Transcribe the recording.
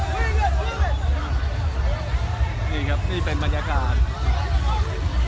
นี่ครับนี่เป็นบรรยากาศ